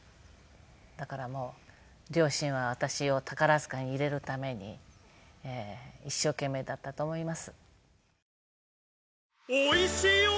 だからもう両親は私を宝塚に入れるために一生懸命だったと思います。